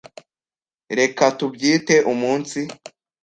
Reka tubyite umunsi.